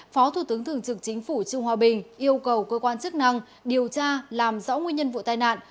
phó thủ tướng thường trực chính phủ trương hòa bình yêu cầu cơ quan chức năng điều tra làm rõ nguyên nhân vụ tai nạn